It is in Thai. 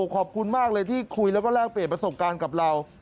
ขอบคุณมากเลยที่คุยแล้วก็แลกเปลี่ยนประสบการณ์กับเรา